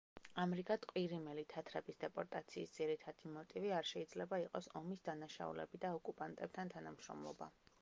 ამრიგად, ყირიმელი თათრების დეპორტაციის ძირითადი მოტივი არ შეიძლება იყოს ომის დანაშაულები და ოკუპანტებთან თანამშრომლობა.